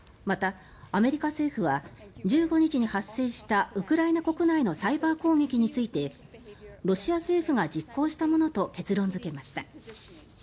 また、アメリカ政府は１５日に発生したウクライナ国内のサイバー攻撃についてロシア政府が実行したものと結論付けました。